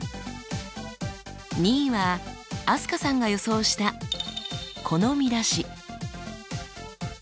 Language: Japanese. ２位は飛鳥さんが予想したこの見出し。